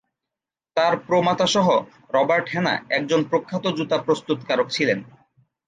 তার প্র-মাতামহ Robert Hannah একজন প্রখ্যাত জুতা প্রস্তুতকারক ছিলেন।